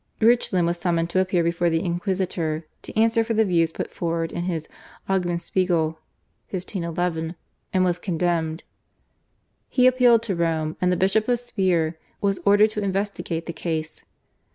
Reuchlin was summoned to appear before the Inquisitor to answer for the views put forward in his /Augenspeigel/ (1511), and was condemned. He appealed to Rome, and the Bishop of Speier was ordered to investigate the case.